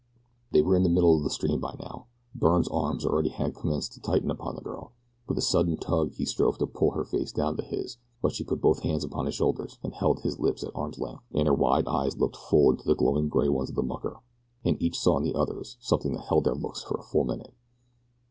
They were in the middle of the stream now. Byrne's arms already had commenced to tighten upon the girl. With a sudden tug he strove to pull her face down to his; but she put both hands upon his shoulders and held his lips at arms' length. And her wide eyes looked full into the glowing gray ones of the mucker. And each saw in the other's something that held their looks for a full minute.